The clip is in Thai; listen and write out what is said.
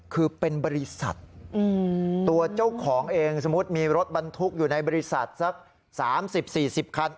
คือเป็นบริษัทตัวเจ้าของเองสมมุติมีรถบรรทุกอยู่ในบริษัทสัก๓๐๔๐คัน